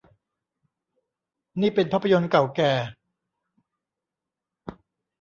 นี่เป็นภาพยนตร์เก่าแก่